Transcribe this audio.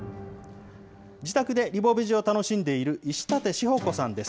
自宅でリボベジを楽しんでいる石館志保子さんです。